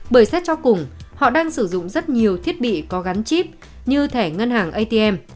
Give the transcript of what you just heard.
bởi xét cho cùng họ đang sử dụng rất nhiều thiết bị có gắn chip như thẻ ngân hàng atm